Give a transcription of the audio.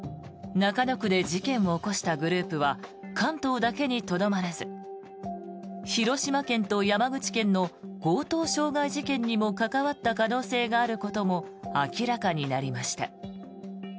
中野区で事件を起こしたグループは関東だけにとどまらず広島県と山口県の強盗傷害事件にも関わった可能性があることも明らかになりました。